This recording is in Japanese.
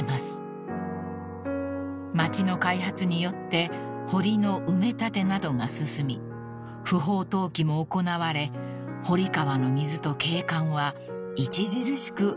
［街の開発によって堀の埋め立てなどが進み不法投棄も行われ堀川の水と景観は著しく悪化してしまったのです］